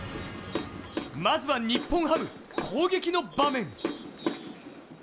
まずは日本ハム、攻撃の場面。